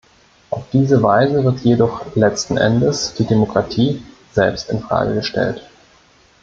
Auf diese Weise wird jedoch letzten Endes die Demokratie selbst in Frage gestellt.